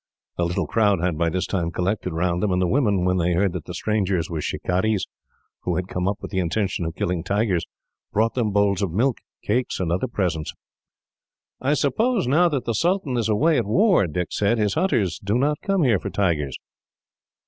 A little crowd had, by this time, collected round them; and the women, when they heard that the strangers were shikarees, who had come up with the intention of killing tigers, brought them bowls of milk, cakes and other presents. "I suppose, now that the sultan is away at war," Dick said, "his hunters do not come here for tigers?"